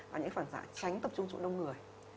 và những phản dạ tránh tập trung chỗ đông người